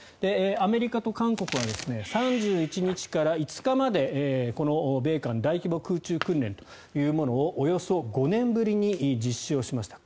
アメリカと韓国は３１日から５日までこの米韓大規模空中訓練というものをおよそ５年ぶりに実施しました。